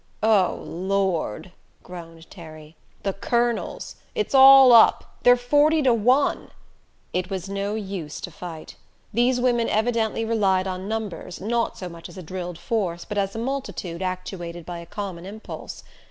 "Oh Lord!" groaned Terry. "The Colonels! It's all up they're forty to one." It was no use to fight. These women evidently relied on numbers, not so much as a drilled force but as a multitude actuated by a common impulse.